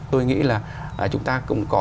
tôi nghĩ là chúng ta cũng có